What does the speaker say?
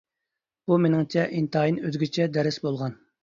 بۇ مېنىڭچە ئىنتايىن ئۆزگىچە دەرس بولغان.